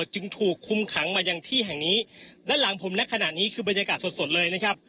จึงถูกคุมขังมาอย่างที่แห่งนี้ด้านหลังผมในขณะนี้คือบรรยากาศสดสดเลยนะครับ